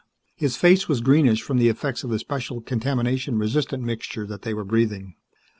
His face was greenish from the effects of the special, contamination resistant mixture that they were breathing.